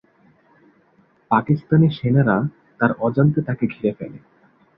পাকিস্তানি সেনারা তার অজান্তে তাকে ঘিরে ফেলে।